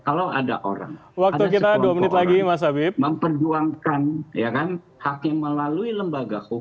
kalau ada orang ada sebuah orang memperjuangkan hak yang melalui lembaga hukum